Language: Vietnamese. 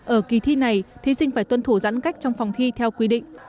ở kỳ thi này thí sinh phải tuân thủ giãn cách trong phòng thi theo quy định